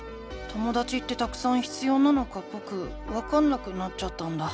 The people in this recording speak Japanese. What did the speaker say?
ともだちってたくさん必要なのかぼくわかんなくなっちゃったんだ。